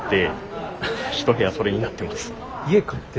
家買って？